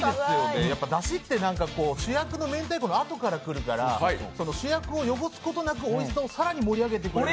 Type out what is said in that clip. だしって主役の明太子のあとから来るから主役を汚すことなく、おいしさを更に盛り上げていくっていう。